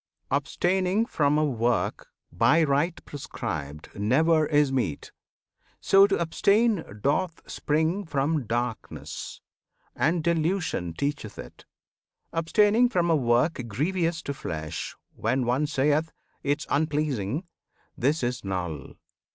Abstaining from a work by right prescribed Never is meet! So to abstain doth spring From "Darkness," and Delusion teacheth it. Abstaining from a work grievous to flesh, When one saith "'Tis unpleasing!" this is null!